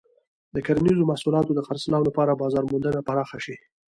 د کرنیزو محصولاتو د خرڅلاو لپاره بازار موندنه پراخه شي.